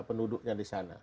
penduduknya di sana